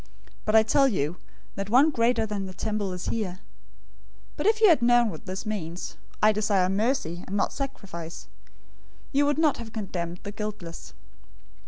012:006 But I tell you that one greater than the temple is here. 012:007 But if you had known what this means, 'I desire mercy, and not sacrifice,'{Hosea 6:6} you would not have condemned the guiltless.